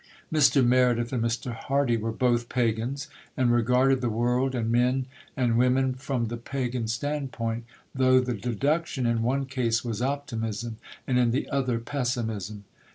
Mr. Meredith and Mr. Hardy were both Pagans and regarded the world and men and women from the Pagan standpoint, though the deduction in one case was optimism and in the other pessimism.